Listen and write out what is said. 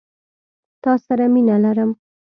تا سره مينه لرم.